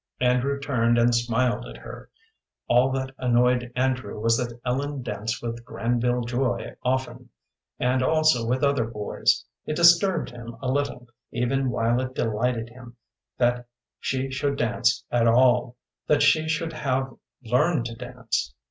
Andrew turned and smiled at her. All that annoyed Andrew was that Ellen danced with Granville Joy often, and also with other boys. It disturbed him a little, even while it delighted him, that she should dance at all, that she should have learned to dance.